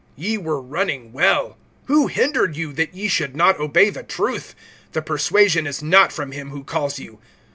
(7)Ye were running well; who hindered you, that ye should not obey the truth? (8)The persuasion is not from him who calls you.